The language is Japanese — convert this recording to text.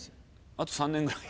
あと３年ぐらい。